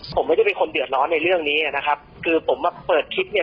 ผมไม่ได้เป็นคนเดือดร้อนในเรื่องนี้นะครับคือผมมาเปิดคลิปเนี่ย